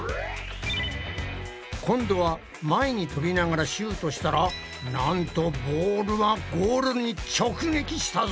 今度は前にとびながらシュートしたらなんとボールはゴールに直撃したぞ！